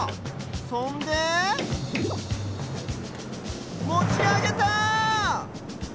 そんでもちあげた！